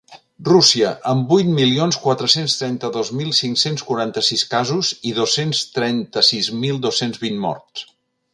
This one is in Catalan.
Rússia, amb vuit milions quatre-cents trenta-dos mil cinc-cents quaranta-sis casos i dos-cents trenta-sis mil dos-cents vint morts.